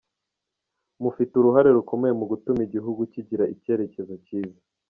Mufite uruhare rukomeye mu gutuma igihugu kigira icyerekezo cyiza.